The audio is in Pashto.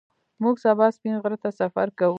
موږ سبا سپین غره ته سفر کوو